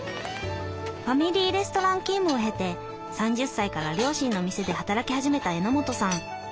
ファミリーレストラン勤務を経て３０歳から両親の店で働き始めた榎本さん。